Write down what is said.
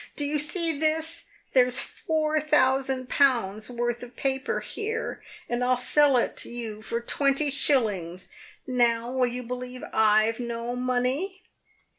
do you see this ? There's four thousand pounds' worth of paper here, and I'll sell it you for twenty shillings. Now, will you believe I've no money